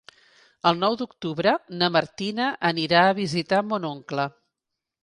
El nou d'octubre na Martina anirà a visitar mon oncle.